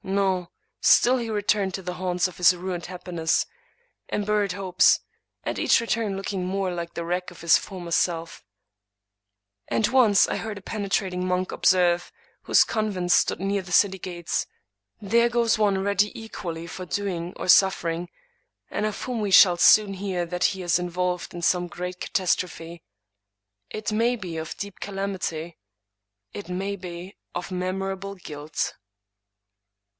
no: still he returned to the haunts of his ruined happiness and his buried hopes, at each return looking more like the wreck of his former self; and once I heard a penetrating monk observe, whose convent stood near the city gates :" There goes one ready equally for doing or suffering, and of whom we shall soon hear that he is involved in some great catas trophe — it may be of deep calamity — it may be of mem orable guilt."